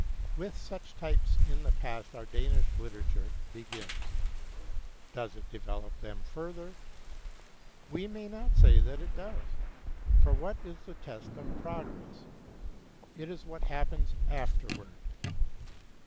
With such types in the past our Danish literature begins. Does it develop them further? We may not say that it does. For what is the test of progress? It is what happens afterward.